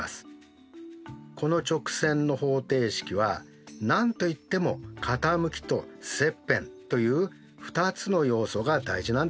この直線の方程式は何といっても傾きと切片という２つの要素が大事なんですよね。